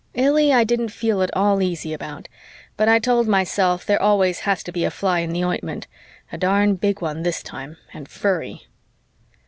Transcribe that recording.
Illy I didn't feel at all easy about, but I told myself there always has to be a fly in the ointment a darn big one this time, and furry.